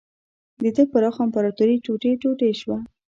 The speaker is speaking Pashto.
د ده پراخه امپراتوري ټوټې ټوټې شوه.